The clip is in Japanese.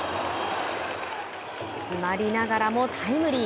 詰まりながらもタイムリー。